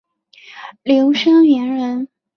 刘声元人。